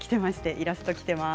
イラストもきています。